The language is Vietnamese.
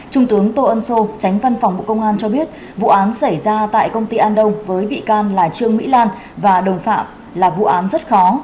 trung tướng tô ân sô tránh văn phòng bộ công an cho biết vụ án xảy ra tại công ty an đông với bị can là trương mỹ lan và đồng phạm là vụ án rất khó